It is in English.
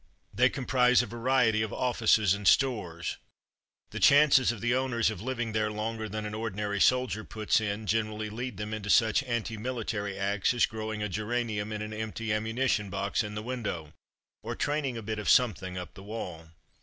They comprise a vari ety of offices and stores. The chances of the owners of living there longer than an ordinary soldier puts in generally lead them into such anti military acts as growing a geranium in an empty ammunition box in the window, or training a bit of something up the wall.